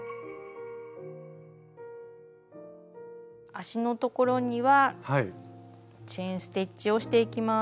足のところにはチェーン・ステッチをしていきます。